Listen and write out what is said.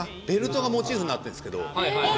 ベルトがモチーフになってるんですけど。